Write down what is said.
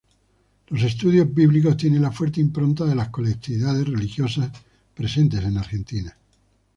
Los Estudios Bíblicos tienen la fuerte impronta de las colectividades religiosas presentes en Argentina.